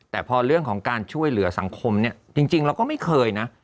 แต่พอเรื่องของการช่วยเหลือสังคมเนี่ยจริงเราก็ไม่เคยนะ